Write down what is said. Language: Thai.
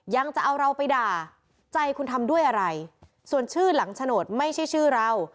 ยังจะเอาเราไปด่าใจคุณทำด้วยอะไรส่วนชื่อหลังโฉนดไม่ใช่ชื่อเรา